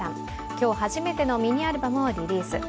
今日、初めてのミニアルバムをリリース。